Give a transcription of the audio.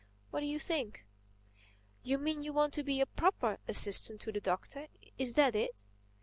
What do you think?" "You mean you want to be a proper assistant to the Doctor, is that it?"